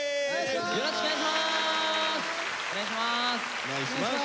よろしくお願いします。